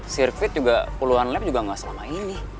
sirkuit juga puluhan lap juga gak selama ini